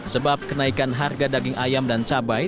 sebab kenaikan harga daging ayam dan cabai